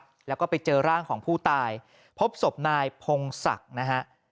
แล้วก็ไปเจอร่างของผู้ตายพบศพนายพงศักดิ์นะฮะ